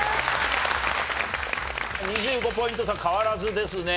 ２５ポイント差変わらずですね。